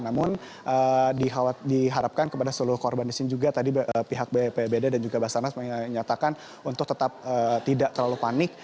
namun diharapkan kepada seluruh korban di sini juga tadi pihak bpbd dan juga basarnas menyatakan untuk tetap tidak terlalu panik